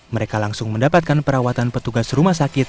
mereka langsung mendapatkan perawatan petugas rumah sakit